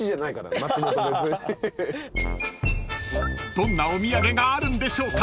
［どんなお土産があるんでしょうか？］